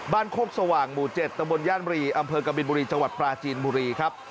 โคกสว่างหมู่๗ตะบนย่านรีอำเภอกบินบุรีจังหวัดปลาจีนบุรีครับ